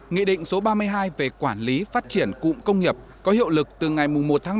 nghị định số ba mươi hai về quản lý phát triển cụm công nghiệp có hiệu lực từ ngày một tháng năm